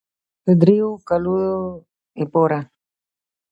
د دريو کالو دپاره